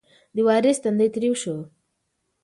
د وارث تندی تریو شو.